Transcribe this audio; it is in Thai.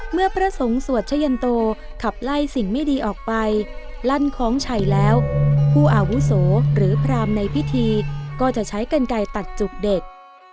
พระสงฆ์สวดชะยันโตขับไล่สิ่งไม่ดีออกไปลั่นของชัยแล้วผู้อาวุโสหรือพรามในพิธีก็จะใช้กันไก่ตัดจุกเด็ก